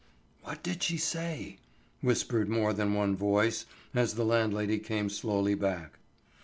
"What did she say?" whispered more than one voice as the landlady came slowly back.